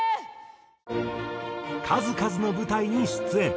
数々の舞台に出演。